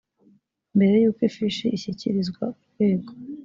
mbere y uko ifishi ishyikirizwa urwego